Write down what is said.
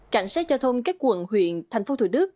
cảnh sát giao thông các quận huyện thành phố thủ đức